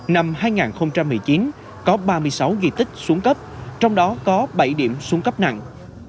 năm hai nghìn một mươi chín có ba mươi sáu di tích xuống cấp trong đó có bảy điểm xuống cấp nặng